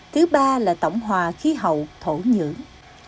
thứ ba là tổng hòa khí hậu thổ nhưỡng